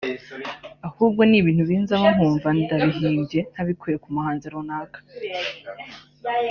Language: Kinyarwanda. ahubwo ni ibintu binzamo nkumva ndabihimbye ntabikuye ku muhanzi runaka